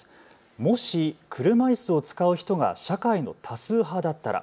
もし車いすを使う人が社会の多数派だったら。